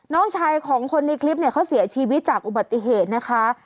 น้องชายของคนในคลิปเนี่ยเขาเสียชีวิตจากอุบัติเหตุนะคะ